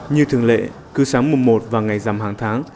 như thường lệ cứ sáng mùa một và ngày rằm hàng tháng